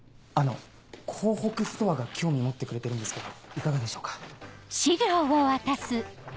あの港北ストアが興味持ってくれてるんですけどいかがでしょうか？